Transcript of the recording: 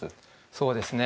そうですね。